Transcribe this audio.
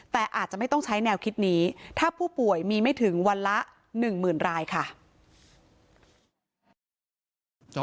แต่อาจจะไม่ต้องใช้แนวคิดนี้ถ้าผู้ป่วยมีไม่ถึงวันละ๑๐๐๐รายค่ะ